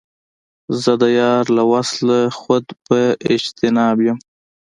زه د یار له وصله خود په اجتناب یم